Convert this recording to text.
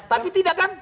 tapi tidak kan